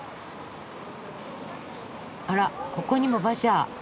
あらここにも馬車。